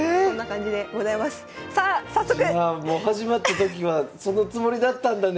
じゃあもう始まった時はそのつもりだったんだね。